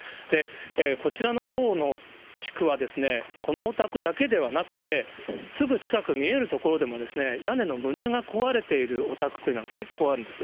こちらのほうの地区は、このお宅だけではなくて、すぐ近く見える所でも、屋根の棟が壊れているというお宅が結構あるんです。